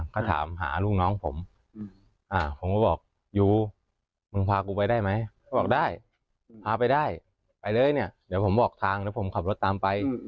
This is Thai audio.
ก็ถามหาลูกน้องผมอ่ะผมว่ายูมึงพาผู้ไปได้ไหมได้ทางั้นผมขับรถตามไป